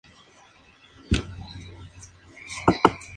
Luis Alberto Monsalvo.